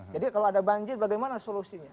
jadi kalau ada banjir bagaimana solusinya